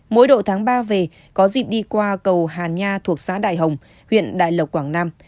mỗi độ tháng ba về có dịp đi qua cầu hàn nha thuộc xã đại hồng huyện đại lộc quảng nam